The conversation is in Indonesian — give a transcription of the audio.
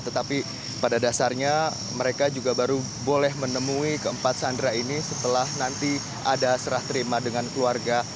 tetapi pada dasarnya mereka juga baru boleh menemui keempat sandera ini setelah nanti ada serah terima dengan keluarga